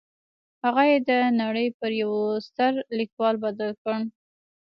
هغه يې د نړۍ پر يوه ستر ليکوال بدل کړ.